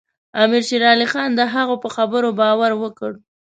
امیر شېر علي خان د هغه په خبرو باور وکړ.